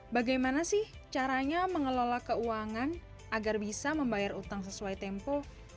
bagaimana sih caranya mengelola keuangan agar bisa membayar utang sesuai tempo